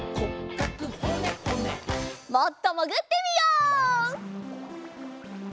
もっともぐってみよう。